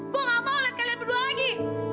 gue gak mau lihat kalian berdua lagi